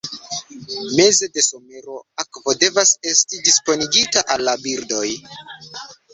Meze de somero, akvo devas esti disponigita al la birdoj.